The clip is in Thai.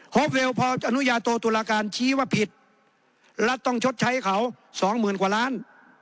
อฟเวลพออนุญาโตตุลาการชี้ว่าผิดรัฐต้องชดใช้เขาสองหมื่นกว่าล้าน